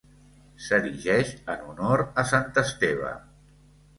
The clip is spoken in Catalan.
S'erigeix en honor a Sant Esteve.